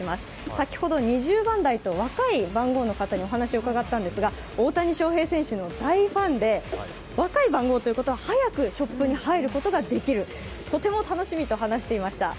先ほど２０番台と若い番号の方にお話を伺ったんですが大谷翔平選手の大ファンで、若い番号ということは早くショップに入ることができる、とても楽しみと話していました。